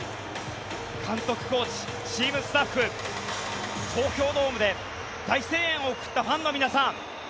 監督、コーチ、チームスタッフ東京ドームで大声援を送ったファンの皆さん